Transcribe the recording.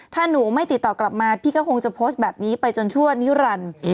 ถ้าหนูไม่ติดต่อกลับมาพี่ก็คงจะโพสต์แบบนี้ไปจนชั่วนิรันดิ์